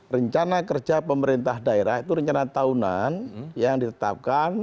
rencana kerja pemerintah daerah itu rencana tahunan yang ditetapkan